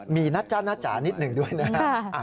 มีนะจ๊ะนะจ๋านิดหนึ่งด้วยนะครับ